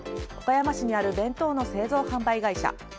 岡山市にある弁当の製造販売会社。